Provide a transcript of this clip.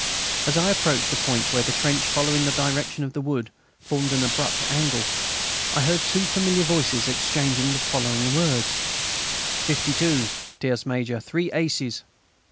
As I approached a point where the trench, following the direction of the wood, formed an abrupt angle, I heard two familiar voices exchanging the following words: "Fifty two!... Tierce major...; three aces!"